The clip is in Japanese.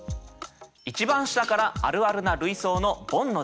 一番下からあるあるな類想のボンの段。